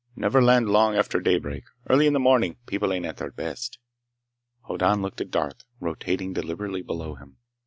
Never land long after daybreak. Early in the morning, people ain't at their best." Hoddan looked at Darth, rotating deliberately below him.